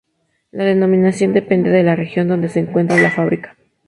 La denominación depende de la región donde se encuentre la fábrica.